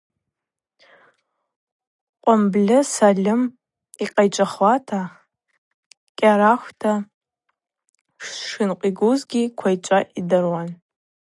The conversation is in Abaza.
Кӏвымбры Сальым йкъайчӏвахуа кӏьарахва шынкъвигузгьи Квайчӏва йдыруан.